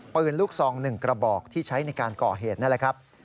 ปืนลูกซอง๑กระบอกที่ใช้ในการก่อเหตุนั่นแหละครับ